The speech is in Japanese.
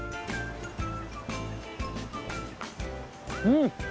うん！